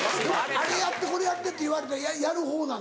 「あれやってこれやって」って言われたらやる方なんですか？